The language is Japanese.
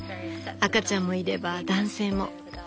赤ちゃんもいれば男性も。